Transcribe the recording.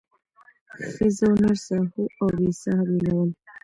ښځه او نر ساهو او بې ساه بېلول